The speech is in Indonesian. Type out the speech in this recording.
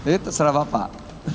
itu serah bapak